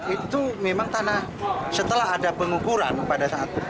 itu memang tanah setelah ada pengukuran pada saat